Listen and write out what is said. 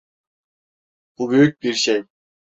Bu büyük bir şey.